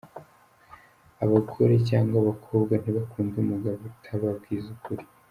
Abagore cyangwa abakobwa ntibakunda umugabo utababwiza ukuri.